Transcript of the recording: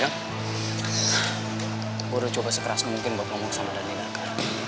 aku sudah coba sekeras mungkin untuk ngomong sama dhani dan aka